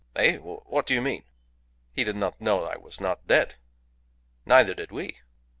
"Eh? What do you mean?" "He did not know I was not dead." "Neither did we."